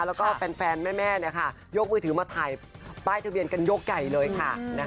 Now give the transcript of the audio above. แล้วก็แฟนแม่ยกมือถือมาถ่ายป้ายทะเบียนกันยกใหญ่เลยค่ะ